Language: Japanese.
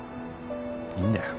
いいんだよ。